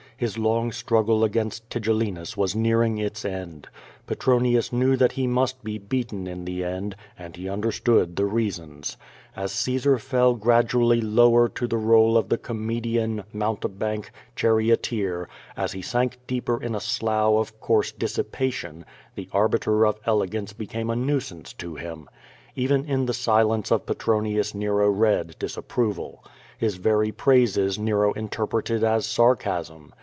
His long struggle against Tigellinus was nearing its end. Petronius knew that he must be beaten in the end, and he understood the reasons. As Caesar fell grad ually lower to the role of the comedian, mountebank, char ioteer, as he sank deeper in a slough of coarse dissipation, the Arbiter of Elegance became a nuisance to him. Even QUO TADIfi. 501 in the silence of Petronius Nero read disapproval. His very praises Nero interpreted as sarcasm.